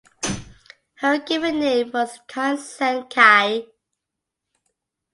Her given name was Khin Sein Kyi.